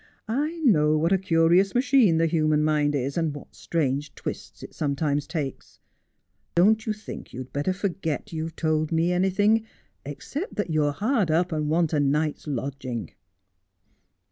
I know what a curious machine the human mind is, and what strange twists it sometimes takes. Don't you think you'd better forget you've told me anything, except that you're hard up and want a night's lodging